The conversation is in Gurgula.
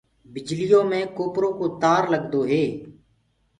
بجليٚ يو مي ڪوپرو ڪو تآر لگدو هي۔